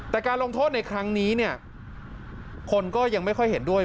แต่การลงโทษในครั้งนี้เนี่ยคนก็ยังไม่ค่อยเห็นด้วย